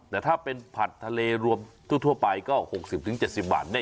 แต่ถ้าเป็นผัดทะเลรวมทั่วไปก็๖๐๗๐บาท